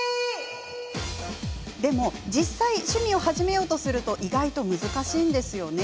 でも実際趣味を始めようとすると意外と難しいんですよね。